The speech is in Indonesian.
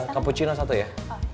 kampuccino satu ya